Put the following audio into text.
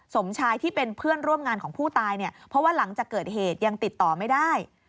สมชายที่เป็นเพื่อนร่วมงานของผู้ตายเนี่ยเพราะว่าหลังจากเกิดเหตุยังติดต่อไม่ได้